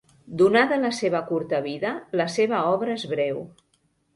Donada la seva curta vida, la seva obra és breu.